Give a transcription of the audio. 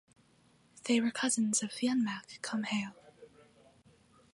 They were cousins of Fionn mac Cumhaill.